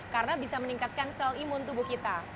karena bisa meningkatkan sel imun tubuh kita